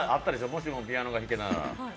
「もしもピアノが弾けたなら」